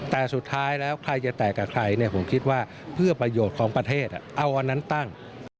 แต่สุดท้ายแล้วใครจะแตกกับใครผมคิดว่าเพื่อประโยชน์ของประเทศเอาอันนั้นตั้ง